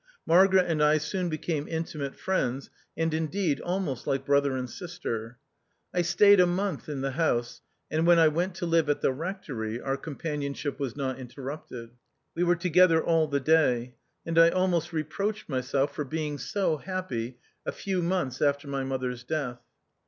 Margaret and I soon became intimate friends, and indeed almost like brother and sister. I staid a month in the house, and when I went to live at the rectory our companionship was not interrupted. We were together all the day ; and I almost reproached myself for being so happy a few months after my mother's death.